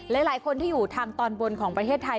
หลายคนที่อยู่ทางตอนบนของประเทศไทย